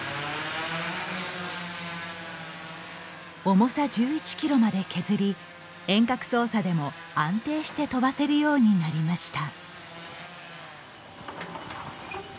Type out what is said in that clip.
重さ１１キロまで削り遠隔操作でも安定して飛ばせるようになりました。